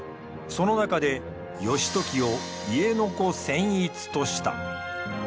その中で義時を家子専一とした。